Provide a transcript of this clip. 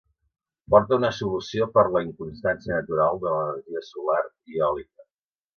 Porta una solució per a la inconstància natural de l'energia solar i eòlica.